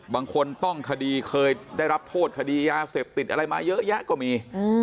บางคนต้องคดีเคยได้รับโทษคดียาเสพติดอะไรมาเยอะแยะก็มี